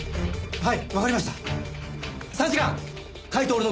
はい。